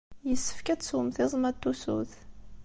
Yessefk ad teswemt iẓem-a n tusut.